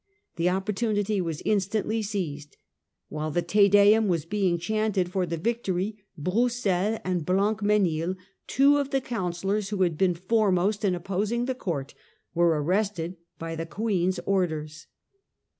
The opportunity was in Arrestof stantly seized. While the 3 4 Te Deum 1 was Bfanc^ land being chanted for the victory, Broussel and m&niL Blancmesnil, two of the councillors who had been foremost in opposing the court, were arrested by the Queen's orders.